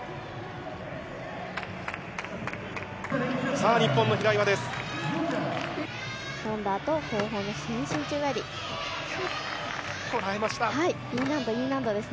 さあ、日本の平岩です。